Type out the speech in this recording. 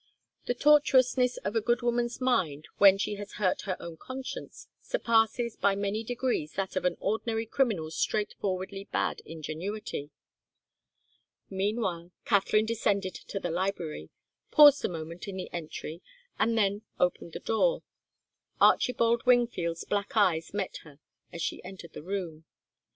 The tortuousness of a good woman's mind when she has hurt her own conscience surpasses by many degrees that of an ordinary criminal's straightforwardly bad ingenuity. Meanwhile, Katharine descended to the library, paused a moment in the entry, and then opened the door. Archibald Wingfield's black eyes met her as she entered the room.